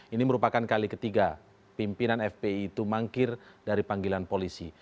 ini merupakan kali ketiga pimpinan fpi itu mangkir dari panggilan polisi